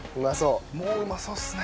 もううまそうっすね。